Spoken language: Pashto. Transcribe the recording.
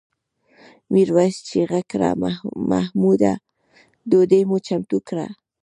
میرويس چیغه کړه محموده ډوډۍ مو چمتو کړه؟